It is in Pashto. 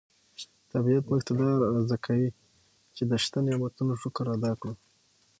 طبیعت موږ ته دا ور زده کوي چې د شته نعمتونو شکر ادا کړو.